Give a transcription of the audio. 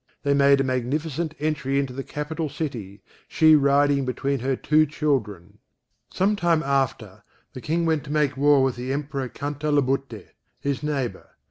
They made a magnificent entry into the capital city, she riding between her two children. Some time after, the King went to make war with the Emperor Cantalabutte, his neighbour.